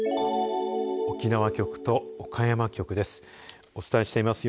沖縄局と岡山局です。